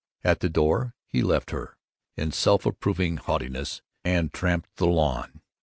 At the door he left her, in self approving haughtiness, and tramped the lawn.